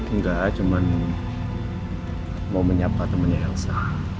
enggak cuma mau menyapa temennya elsa